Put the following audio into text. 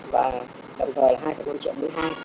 và đồng thời là hai năm triệu mũi hai